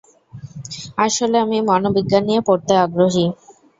আসলে আমি মনোবিজ্ঞান নিয়ে পড়তে আগ্রহী।